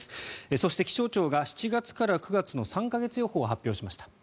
そして、気象庁が７月から９月の３か月予報を発表しました。